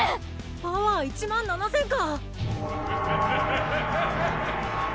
パワー１７，０００か！